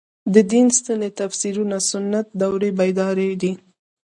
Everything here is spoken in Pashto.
د دین سنتي تفسیرونه سنت دورې پیداوار دي.